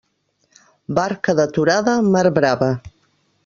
Barca deturada, mar brava.